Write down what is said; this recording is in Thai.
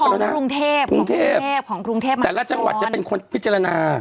แล้วนะกรุงเทพกรุงเทพของกรุงเทพมาแต่ละจังหวัดจะเป็นคนพิจารณา